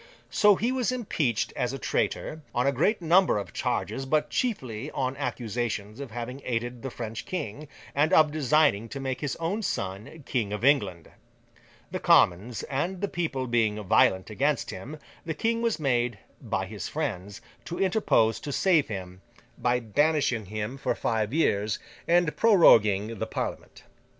So he was impeached as a traitor, on a great number of charges, but chiefly on accusations of having aided the French King, and of designing to make his own son King of England. The Commons and the people being violent against him, the King was made (by his friends) to interpose to save him, by banishing him for five years, and proroguing the Parliament.